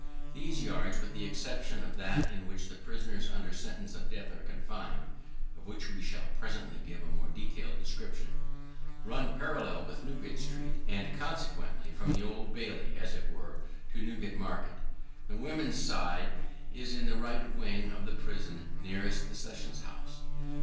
These yards, with the exception of that in which prisoners under sentence of death are confined (of which we shall presently give a more detailed description), run parallel with Newgate street, and consequently from the Old Bailey, as it were, to Newgate market. The women's side is in the right wing of the prison nearest the Sessions house.